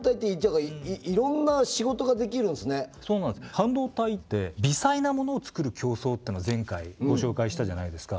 半導体って微細なものをつくる競争っていうのを前回ご紹介したじゃないですか。